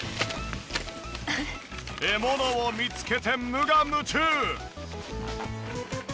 獲物を見つけて無我夢中！